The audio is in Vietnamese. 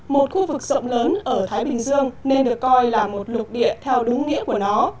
một khu vực rộng lớn ở thái bình dương nên được coi là một lục địa theo đúng nghĩa của nó